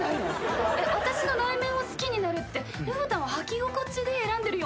私の内面を好きになるってルブタンを履き心地で選んでるようなもんだよ。